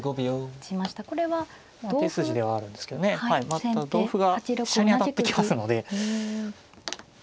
また同歩が飛車に当たってきますので。